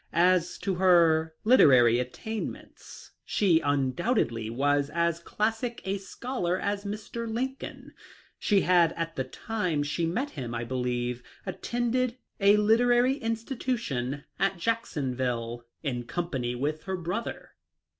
As toher literary attainments, she undoubtedly was as classic a scholar as Mr Lincoln. She had at the time she met him, I believe, at tended a literary institution at Jacksonville, in com pany with her brother."